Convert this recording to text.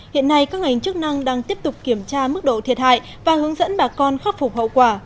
hiện nay các ngành chức năng đang tiếp tục kiểm tra mức độ thiệt hại và hướng dẫn bà con khắc phục hậu quả